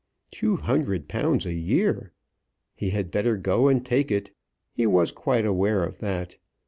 Two hundred pounds a year! He had better go and take it. He was quite aware of that.